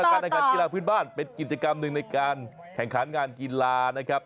ตารางการการกีฬาพื้นบ้านเป็นกิจกรรมหนึ่งในการแข่งขานงานกีฬา